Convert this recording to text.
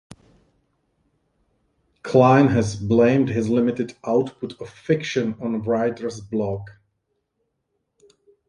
Klein has blamed his limited output of fiction on writer's block.